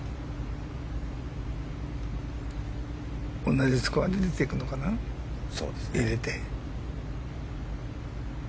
同じスコアで出てくるのかな、入れて。